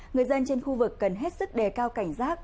người dân trên khu vực cần hết sức đề cao cảnh giác